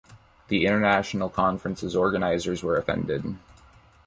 The international conference's organizers were offended.